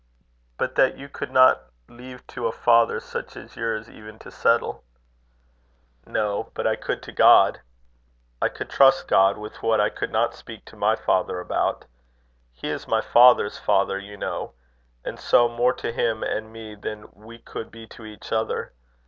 "But that you could not leave to a father such as yours even to settle." "No. But I could to God. I could trust God with what I could not speak to my father about. He is my father's father, you know; and so, more to him and me than we could be to each other.